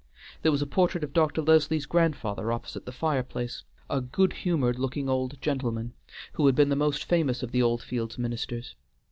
There was a portrait of Dr. Leslie's grandfather opposite the fire place; a good humored looking old gentleman who had been the most famous of the Oldfields ministers.